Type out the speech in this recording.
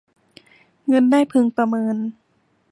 เงินได้พึงประเมิน